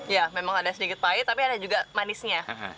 ya memang ada sedikit pahit tapi ada juga manisnya